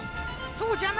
そうじゃな。